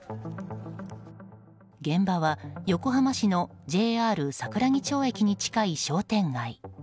現場は横浜市のＪＲ桜木町駅に近い商店街。